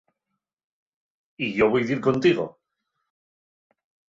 Y yo voi dir contigo.